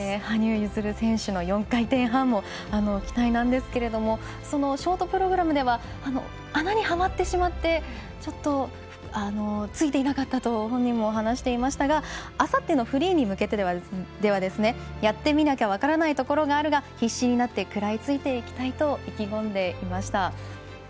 羽生結弦選手の４回転半も期待なんですけれどもそのショートプログラムでは穴にはまってしまってちょっと、ついていなかったと本人も話していましたがあさってのフリーに向けてではやってみなきゃ分からないところがあるが必死になって食らいついていきたいと意気込んでいました。